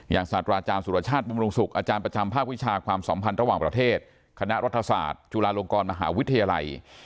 ศาสตราอาจารย์สุรชาติบำรุงศุกร์อาจารย์ประจำภาควิชาความสัมพันธ์ระหว่างประเทศคณะรัฐศาสตร์จุฬาลงกรมหาวิทยาลัย